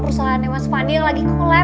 perusahaan emas fandi yang lagi kolaps